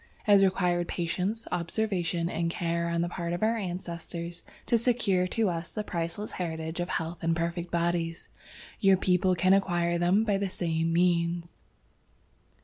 "It has required patience, observation and care on the part of our ancestors to secure to us the priceless heritage of health and perfect bodies. Your people can acquire them by the same means."